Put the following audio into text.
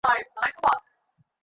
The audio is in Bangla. দ্য অ্যাডাম প্রজেক্টে।